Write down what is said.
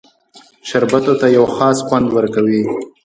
شربتونو ته یو خاص خوند ورکوي.